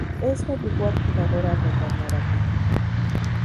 Esto obligó al jugador a retornar a Tigre.